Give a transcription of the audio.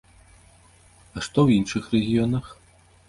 А што ў іншых рэгіёнах?